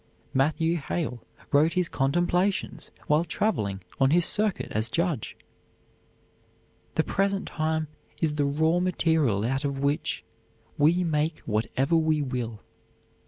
Matthew Hale wrote his "Contemplations" while traveling on his circuit as judge. The present time is the raw material out of which we make whatever we will.